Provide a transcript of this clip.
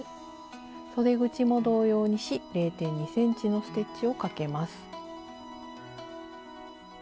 そで口も同様にし０．２ｃｍのステッチをかけます。